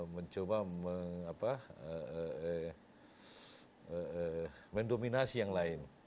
mencoba mendominasi yang lain